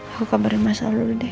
aku kabarin masalah dulu deh